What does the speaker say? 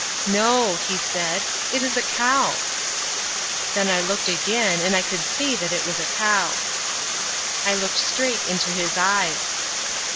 "No," he said, "it is a cow!" Then I looked again and I could see that it was a cow. I looked straight into his eyes.